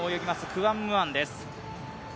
クワンムアンです。